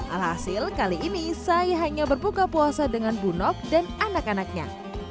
alhasil kali ini saya hanya berbuka puasa dengan bunok dan anak anaknya